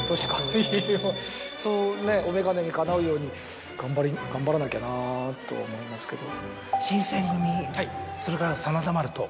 そうねお眼鏡にかなうように頑張らなきゃなと思いますけど。